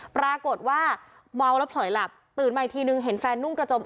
ปรากฏว่าเมาแล้วผลอยหลับตื่นมาอีกทีนึงเห็นแฟนนุ่งกระจม